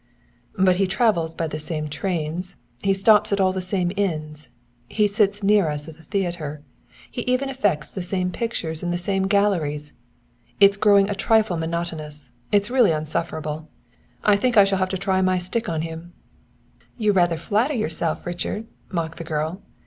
"But he travels by the same trains; he stops at the same inns; he sits near us at the theater he even affects the same pictures in the same galleries! It's growing a trifle monotonous; it's really insufferable. I think I shall have to try my stick on him." "You flatter yourself, Richard," mocked the girl.